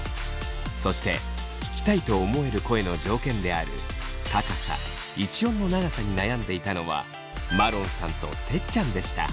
そして聞きたいと思える声の条件である高さ・一音の長さに悩んでいたのはまろんさんとてっちゃんでした。